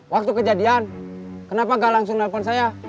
waktu kejadian kenapa nggak langsung telepon saya